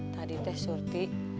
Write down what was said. tadi teh surti